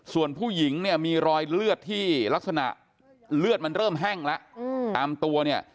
ส่วนผู้หญิงเนี่ยมีรอยเลือดที่ลักษณะเลือดมันเริ่มแห้งแล้วตามตัวเนี่ย